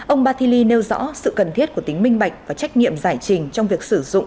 ông bathili nêu rõ sự cần thiết của tính minh bạch và trách nhiệm giải trình trong việc sử dụng